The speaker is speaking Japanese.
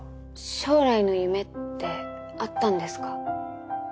将来の夢ってあったんですか？